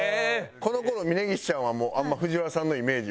この頃峯岸ちゃんはあんまＦＵＪＩＷＡＲＡさんのイメージは。